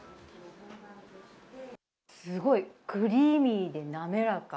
すごいクリーミーに滑らか。